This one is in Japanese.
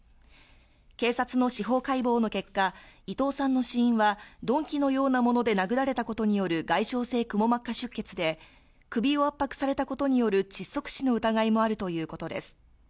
警察の司法解剖の結果、伊藤さんの死因は鈍器のようなもので殴られたことによる外傷性くも膜下出血で首を圧迫されたことによる窒息死の疑いもあるということです。